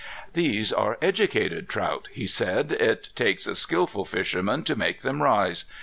"These are educated trout," he said. "It takes a skillful fisherman to make them rise.